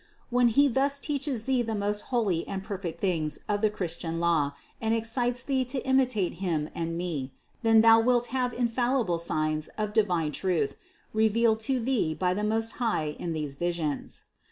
When He thus teaches thee the most holy and perfect things of the Christian law and excites thee to imitate Him and me, then thou wilt have infallible signs of divine truth revealed to thee by the Most High in these visions.